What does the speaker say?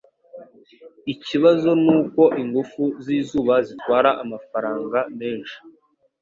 Ikibazo nuko ingufu zizuba zitwara amafaranga menshi.